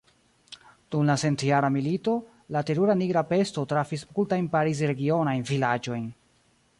Dum la centjara milito, la terura nigra pesto trafis multajn Pariz-regionajn vilaĝojn.